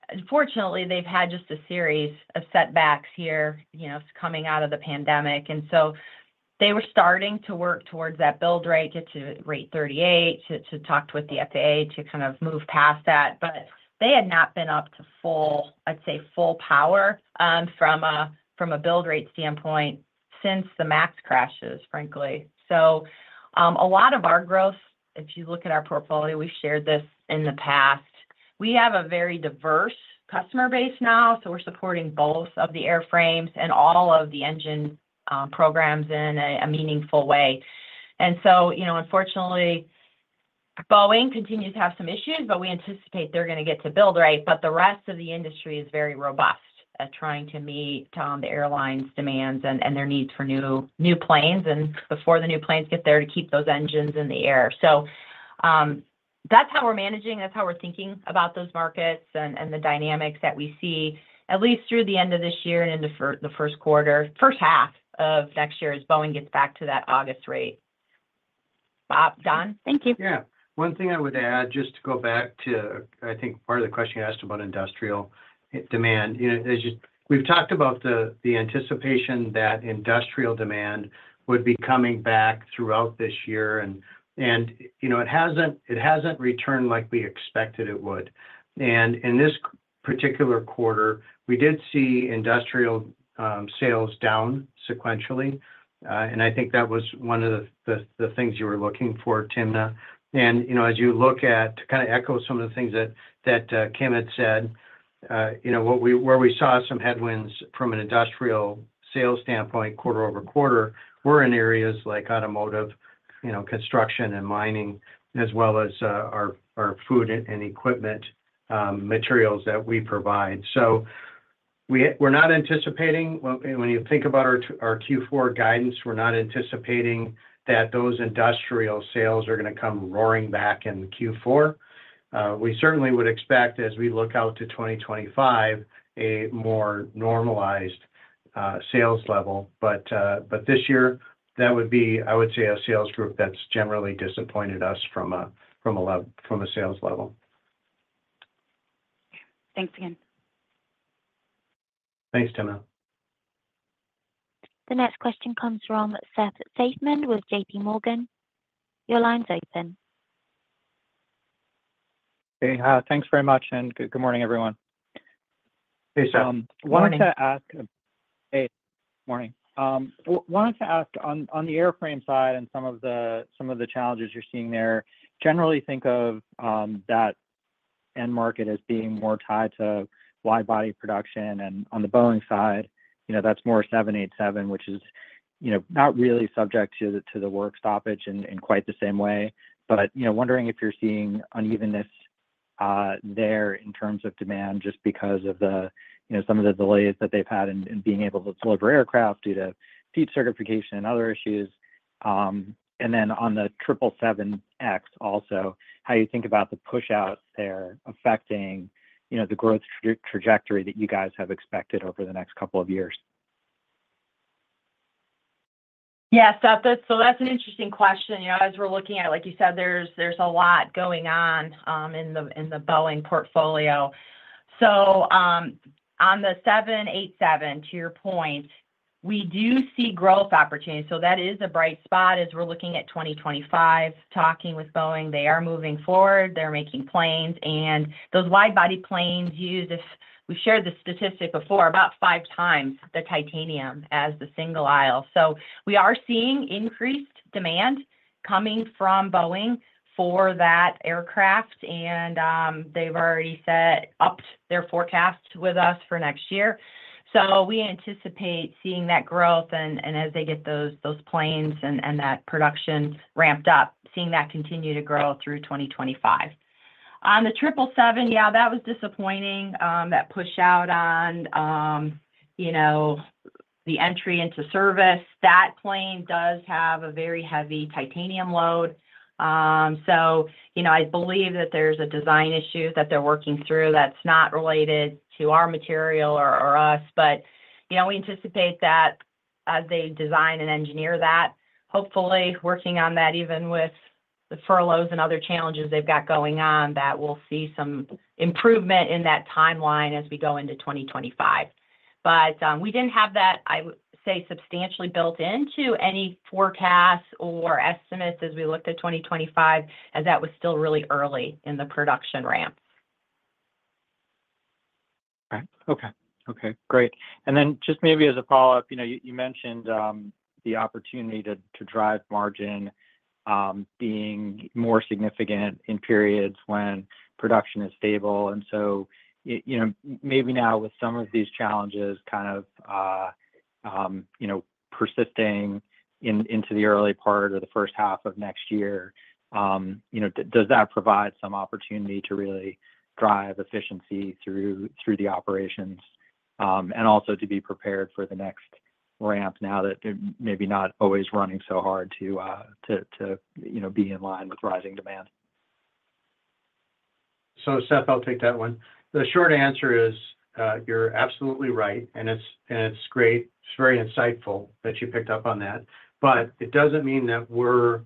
Unfortunately, they've had just a series of setbacks here coming out of the pandemic, and so they were starting to work towards that build rate, get to rate 38, to talk with the FAA to kind of move past that, but they had not been up to, I'd say, full power from a build rate standpoint since the MAX crashes, frankly, so a lot of our growth, if you look at our portfolio, we've shared this in the past. We have a very diverse customer base now, so we're supporting both of the airframes and all of the engine programs in a meaningful way, and so, unfortunately, Boeing continues to have some issues, but we anticipate they're going to get to build rate. But the rest of the industry is very robust at trying to meet the airlines' demands and their needs for new planes and before the new planes get there to keep those engines in the air. So that's how we're managing. That's how we're thinking about those markets and the dynamics that we see, at least through the end of this year and into the first quarter, first half of next year as Boeing gets back to that August rate. Don? Thank you. Yeah. One thing I would add, just to go back to, I think, part of the question you asked about industrial demand. We've talked about the anticipation that industrial demand would be coming back throughout this year. And it hasn't returned like we expected it would. And in this particular quarter, we did see industrial sales down sequentially. And I think that was one of the things you were looking for, Timna. And as you look at, to kind of echo some of the things that Kim had said, where we saw some headwinds from an industrial sales standpoint quarter over quarter, we're in areas like automotive, construction, and mining, as well as our food equipment materials that we provide. So we're not anticipating, when you think about our Q4 guidance, we're not anticipating that those industrial sales are going to come roaring back in Q4. We certainly would expect, as we look out to 2025, a more normalized sales level. But this year, that would be, I would say, a sales group that's generally disappointed us from a sales level. Thanks again. Thanks, Timna. The next question comes from Seth Seifman with J.P. Morgan. Your line's open. Hey, thanks very much, and good morning, everyone. Hey, Seth. Good morning. Wanted to ask. Hey, morning. Wanted to ask, on the airframe side and some of the challenges you're seeing there, generally think of that end market as being more tied to wide-body production. And on the Boeing side, that's more 787, which is not really subject to the work stoppage in quite the same way. But wondering if you're seeing unevenness there in terms of demand just because of some of the delays that they've had in being able to deliver aircraft due to FAA certification and other issues. And then on the 777X also, how you think about the push-outs there affecting the growth trajectory that you guys have expected over the next couple of years. Yeah. That's an interesting question. As we're looking at, like you said, there's a lot going on in the Boeing portfolio. On the 787, to your point, we do see growth opportunities. That is a bright spot as we're looking at 2025, talking with Boeing. They are moving forward. They're making planes. Those wide-body planes used, if we shared the statistic before, about five times the titanium as the single aisle. We are seeing increased demand coming from Boeing for that aircraft. They've already set up their forecast with us for next year. We anticipate seeing that growth. As they get those planes and that production ramped up, seeing that continue to grow through 2025. On the 777, yeah, that was disappointing, that push-out on the entry into service. That plane does have a very heavy titanium load. I believe that there's a design issue that they're working through that's not related to our material or us. But we anticipate that as they design and engineer that, hopefully, working on that, even with the furloughs and other challenges they've got going on, that we'll see some improvement in that timeline as we go into 2025. But we didn't have that, I would say, substantially built into any forecasts or estimates as we looked at 2025, as that was still really early in the production ramp. Okay. Great. And then just maybe as a follow-up, you mentioned the opportunity to drive margin being more significant in periods when production is stable. And so maybe now, with some of these challenges kind of persisting into the early part or the first half of next year, does that provide some opportunity to really drive efficiency through the operations and also to be prepared for the next ramp now that they're maybe not always running so hard to be in line with rising demand? So Seth, I'll take that one. The short answer is you're absolutely right. And it's great. It's very insightful that you picked up on that. But it doesn't mean that we're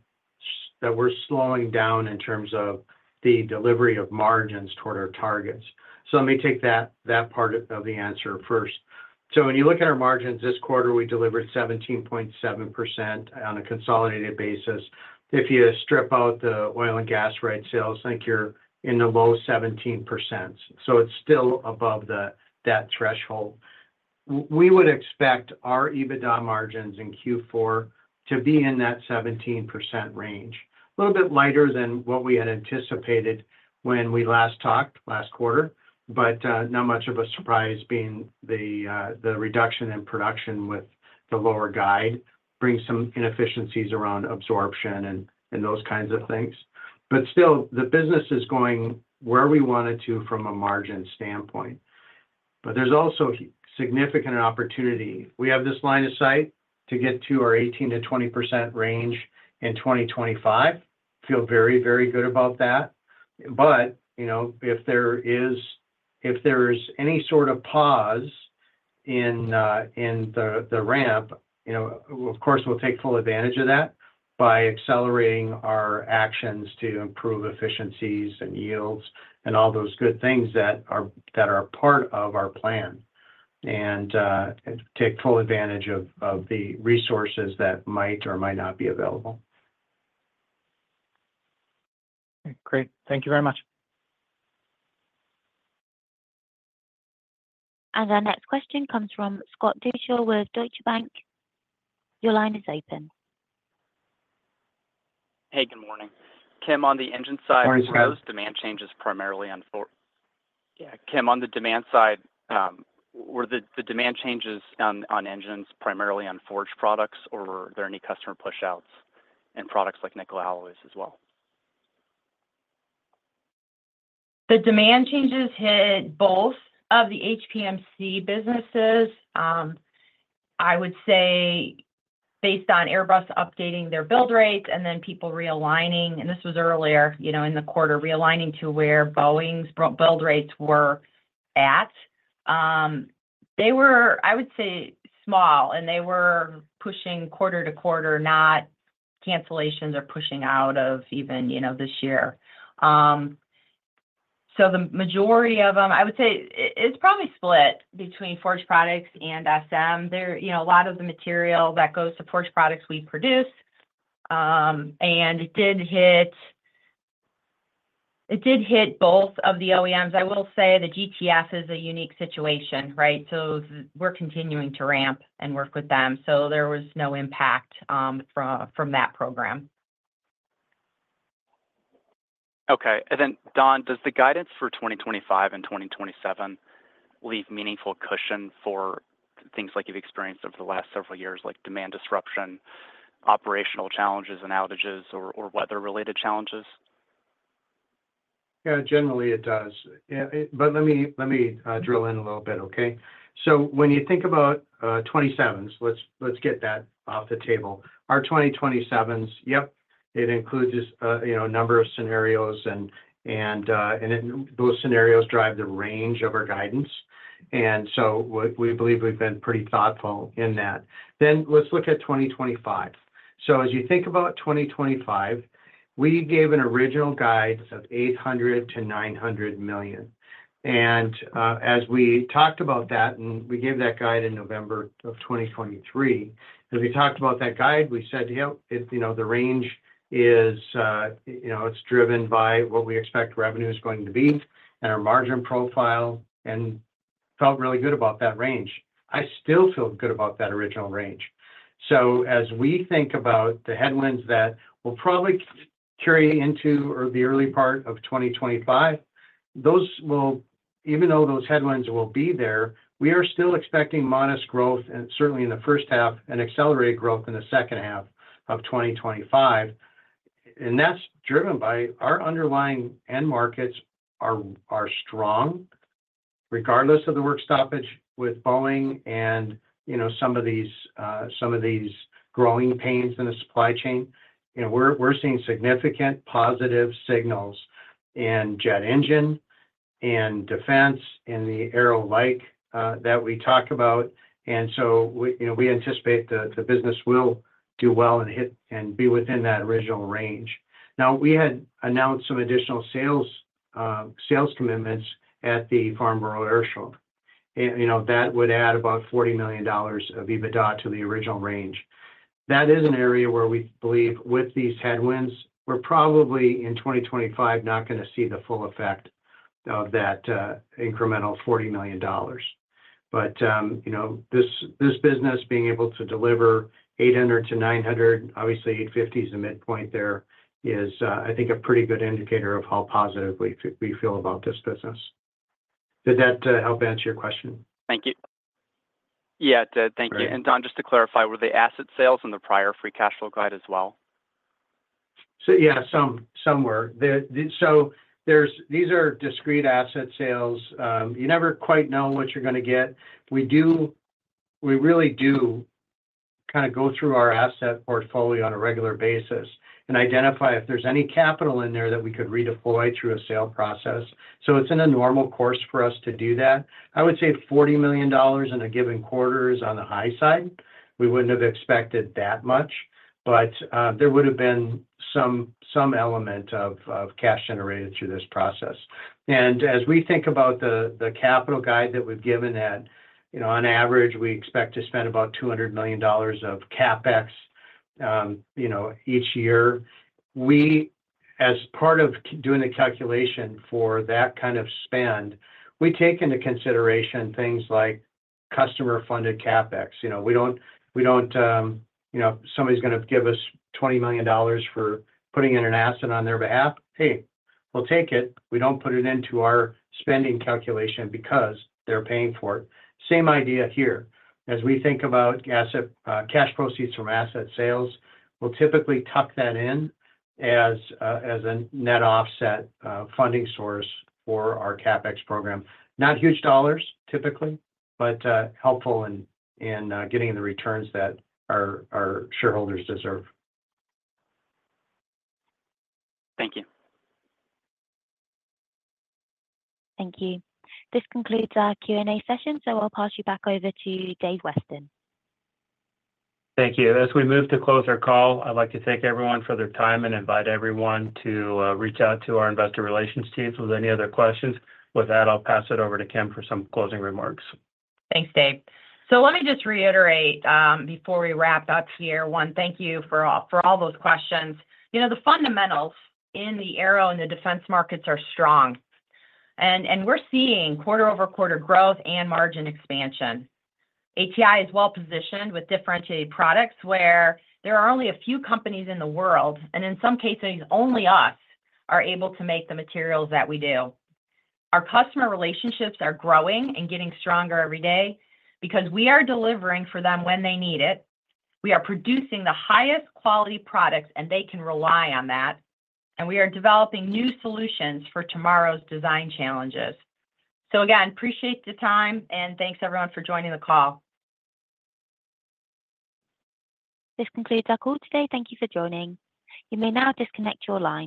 slowing down in terms of the delivery of margins toward our targets. So let me take that part of the answer first. So when you look at our margins, this quarter, we delivered 17.7% on a consolidated basis. If you strip out the oil and gas rights sales, I think you're in the low 17%. So it's still above that threshold. We would expect our EBITDA margins in Q4 to be in that 17% range, a little bit lighter than what we had anticipated when we last talked last quarter, but not much of a surprise being the reduction in production with the lower guide brings some inefficiencies around absorption and those kinds of things. But still, the business is going where we wanted to from a margin standpoint. But there's also significant opportunity. We have this line of sight to get to our 18%-20% range in 2025. Feel very, very good about that. But if there is any sort of pause in the ramp, of course, we'll take full advantage of that by accelerating our actions to improve efficiencies and yields and all those good things that are part of our plan and take full advantage of the resources that might or might not be available. Okay. Great. Thank you very much. The next question comes from Scott Deuschle with Deutsche Bank. Your line is open. Hey, good morning. Kim, on the engine side-- Morning, Scott. Demand changes primarily on forged? Yeah. Kim, on the demand side, were the demand changes on engines primarily on forged products, or were there any customer push-outs in products like nickel alloys as well? The demand changes hit both of the HPMC businesses, I would say, based on Airbus updating their build rates and then people realigning. And this was earlier in the quarter, realigning to where Boeing's build rates were at. They were, I would say, small, and they were pushing quarter to quarter, not cancellations or pushing out of even this year. So the majority of them, I would say, it's probably split between Forged Products and SM. A lot of the material that goes to Forged Products we produce. And it did hit both of the OEMs. I will say the GTF is a unique situation, right? So we're continuing to ramp and work with them. So there was no impact from that program. Okay. Then, Don, does the guidance for 2025 and 2027 leave meaningful cushion for things like you've experienced over the last several years, like demand disruption, operational challenges and outages, or weather-related challenges? Yeah, generally, it does. But let me drill in a little bit, okay? So when you think about 2027s, let's get that off the table. Our 2027s, yep, it includes a number of scenarios, and those scenarios drive the range of our guidance, and so we believe we've been pretty thoughtful in that, then let's look at 2025, so as you think about 2025, we gave an original guide of $800 million-$900 million. And as we talked about that, and we gave that guide in November of 2023, as we talked about that guide, we said, "Hey, the range is it's driven by what we expect revenue is going to be and our margin profile," and felt really good about that range. I still feel good about that original range. As we think about the headwinds that will probably carry into or the early part of 2025, even though those headwinds will be there, we are still expecting modest growth, and certainly in the first half, and accelerated growth in the second half of 2025. That's driven by our underlying end markets are strong, regardless of the work stoppage with Boeing and some of these growing pains in the supply chain. We're seeing significant positive signals in jet engine and defense in the aero-like that we talk about. We anticipate the business will do well and be within that original range. Now, we had announced some additional sales commitments at the Farnborough Airshow. That would add about $40 million of EBITDA to the original range. That is an area where we believe, with these headwinds, we're probably in 2025 not going to see the full effect of that incremental $40 million. But this business, being able to deliver $800 million to $900 million, obviously, $850 million is the midpoint there, is, I think, a pretty good indicator of how positive we feel about this business. Did that help answer your question? Thank you. Yeah, it did. Thank you. And Don, just to clarify, were the asset sales in the prior free cash flow guide as well? So yeah, some were. So these are discrete asset sales. You never quite know what you're going to get. We really do kind of go through our asset portfolio on a regular basis and identify if there's any capital in there that we could redeploy through a sale process. So it's in a normal course for us to do that. I would say $40 million in a given quarter is on the high side. We wouldn't have expected that much, but there would have been some element of cash generated through this process. And as we think about the capital guide that we've given that, on average, we expect to spend about $200 million of CapEx each year. As part of doing the calculation for that kind of spend, we take into consideration things like customer-funded CapEx. We don't, somebody's going to give us $20 million for putting in an asset on their behalf. Hey, we'll take it. We don't put it into our spending calculation because they're paying for it. Same idea here. As we think about cash proceeds from asset sales, we'll typically tuck that in as a net offset funding source for our CapEx program. Not huge dollars, typically, but helpful in getting the returns that our shareholders deserve. Thank you. Thank you. This concludes our Q&A session. So I'll pass you back over to Dave Weston. Thank you. As we move to close our call, I'd like to thank everyone for their time and invite everyone to reach out to our investor relations teams with any other questions. With that, I'll pass it over to Kim for some closing remarks. Thanks, Dave. So let me just reiterate before we wrap up here, one, thank you for all those questions. The fundamentals in the aero and the defense markets are strong. And we're seeing quarter-over-quarter growth and margin expansion. ATI is well-positioned with differentiated products where there are only a few companies in the world, and in some cases, only us are able to make the materials that we do. Our customer relationships are growing and getting stronger every day because we are delivering for them when they need it. We are producing the highest quality products, and they can rely on that. And we are developing new solutions for tomorrow's design challenges. So again, appreciate the time, and thanks, everyone, for joining the call. This concludes our call today. Thank you for joining. You may now disconnect your line.